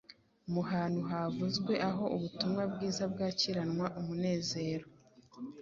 Mu hantu havuzwe aho ubutumwa bwiza bwakiranwe umunezero